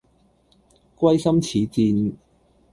歸心似箭